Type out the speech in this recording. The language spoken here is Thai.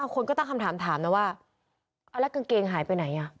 คนก็ตั้งคำถามถามนะว่าเอาแล้วกางเกงหายไปไหน